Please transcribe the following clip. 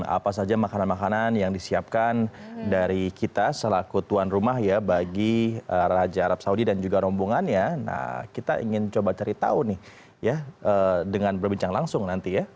apa saja makanan makanan yang disiapkan dari kita selaku tuan rumah ya bagi raja arab saudi dan juga rombongannya nah kita ingin coba cari tahu nih ya dengan berbincang langsung nanti ya